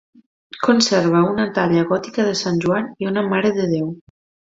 Conserva una talla gòtica de sant Joan i una marededéu.